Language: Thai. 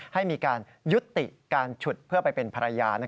ให้มีการยุติการฉุดเพื่อไปเป็นภรรยา